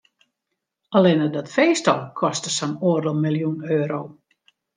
Allinne dat feest al koste sa'n oardel miljoen euro.